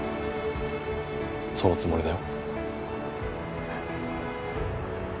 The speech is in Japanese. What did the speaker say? そのつもりだよ。